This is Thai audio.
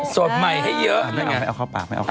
สดใหม่ให้เยอะ